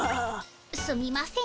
すみません。